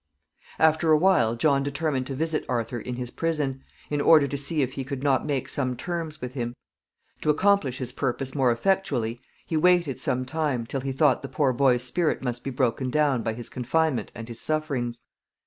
After a while John determined to visit Arthur in his prison, in order to see if he could not make some terms with him. To accomplish his purpose more effectually, he waited some time, till he thought the poor boy's spirit must be broken down by his confinement and his sufferings.